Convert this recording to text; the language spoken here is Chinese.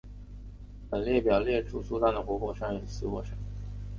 本列表列出苏丹的活火山与死火山。